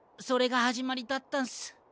それがはじまりだったんす。